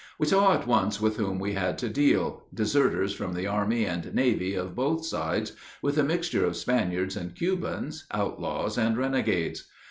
We saw at once with whom we had to deal deserters from the army and navy of both sides, with a mixture of Spaniards and Cubans, outlaws and renegades.